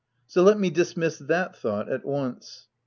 So let me dismiss that thought at once.